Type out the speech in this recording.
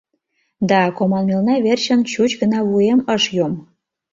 Да, команмелна верчын чуч гына вуем ыш йом.